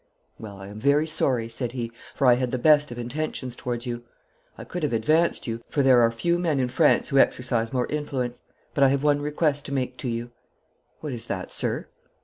'Well, I am very sorry,' said he, 'for I had the best of intentions towards you. I could have advanced you, for there are few men in France who exercise more influence. But I have one request to make to you.' 'What is that, sir?'